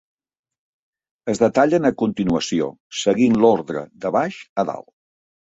Es detallen a continuació seguint l'ordre de baix a dalt.